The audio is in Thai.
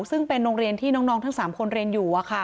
ซึ่งเป็นโรงเรียนที่น้องทั้ง๓คนเรียนอยู่